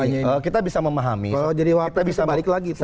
karena gini kita bisa memahami kita bisa balik lagi